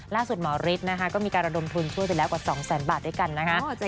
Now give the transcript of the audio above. ล่าสุดหมอฤทธิ์นะคะก็มีการระดมทุนช่วยไปแล้วกว่า๒แสนบาทด้วยกันนะคะ